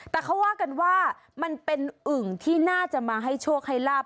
แต่เขาว่ากันว่ามันเป็นอึ่งที่น่าจะมาให้โชคให้ลาบ